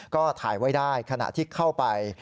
ก็ถ่ายไว้ได้ขณะที่เข้าไป